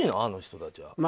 あの人たちは。